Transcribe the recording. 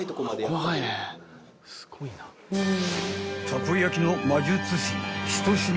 ［たこ焼の魔術師］